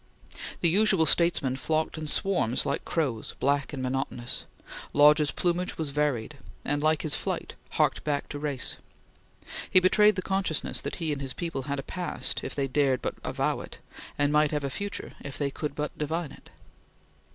The usual statesmen flocked in swarms like crows, black and monotonous. Lodge's plumage was varied, and, like his flight, harked back to race. He betrayed the consciousness that he and his people had a past, if they dared but avow it, and might have a future, if they could but divine it.